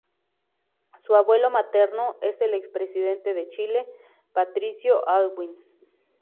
Su abuelo materno es el ex presidente de Chile, Patricio Aylwin.